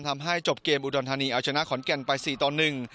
ทำให้จบเกมอุดรธานีเอาชนะขอนแก่นไป๔ตอน๑